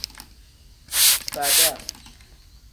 Faada.